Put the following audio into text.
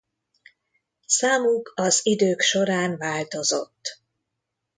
Számuk az idők során változott.